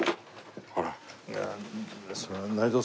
ほら。